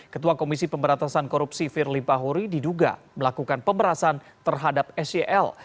ketua komisi pemberatasan korupsi fir limpa huri diduga melakukan pemberasan terhadap sel